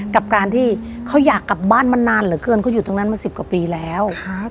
กับการที่เขาอยากกลับบ้านมานานเหลือเกินเขาอยู่ตรงนั้นมาสิบกว่าปีแล้ว